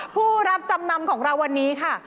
ผู้รับจำนำของเราวันนี้ค่ะ